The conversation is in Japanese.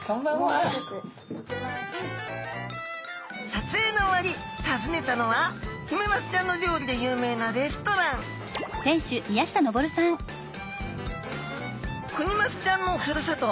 撮影の終わり訪ねたのはヒメマスちゃんの料理で有名なレストランクニマスちゃんのふるさと